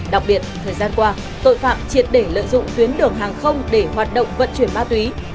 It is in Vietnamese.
đặc biệt thời gian qua tội phạm triệt để lợi dụng tuyến đường hàng không để hoạt động vận chuyển ma túy